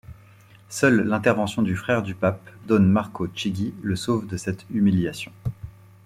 Seule l'intervention du frère du pape, Don Marco Chigi, le sauve de cette humiliation.